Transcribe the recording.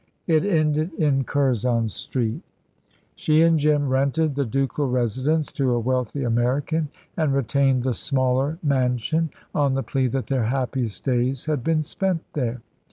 It ended in Curzon Street. She and Jim rented the ducal residence to a wealthy American, and retained the smaller mansion, on the plea that their happiest days had been spent there.